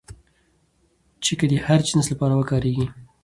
چې که د هر جنس لپاره وکارېږي